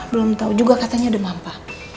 belum tau juga katanya ada mampa